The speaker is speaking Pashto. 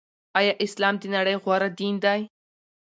آيا اسلام دنړۍ غوره دين دې